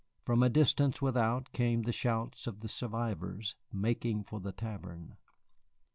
From a distance without came the shouts of the survivors making for the tavern.